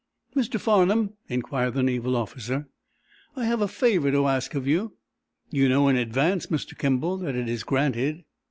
"Mr. Farnum," inquired the naval officer, "I have a favor to ask of you." "You know in advance, Mr. Kimball, that it is granted."